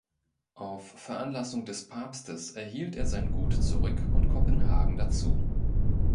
Auf Veranlassung des Papstes erhielt er sein Gut zurück und Kopenhagen dazu.